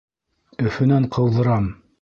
Өфөнән ҡыуҙырам!